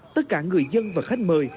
tất cả người dân và khách mời